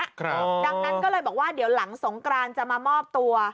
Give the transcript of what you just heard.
ครับดังนั้นก็เลยบอกว่าเดี๋ยวหลังสงกรานจะมามอบตัว